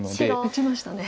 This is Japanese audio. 打ちましたね。